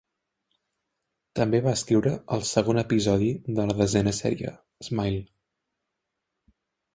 També va escriure el segon episodi de la desena sèrie, "Smile".